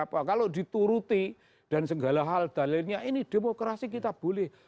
kalau dituruti dan segala hal dalilnya ini demokrasi kita boleh